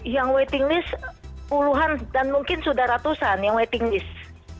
yang waiting list puluhan dan mungkin sudah ratusan yang waiting list